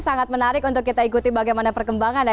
sangat menarik untuk kita ikuti bagaimana perkembangan ya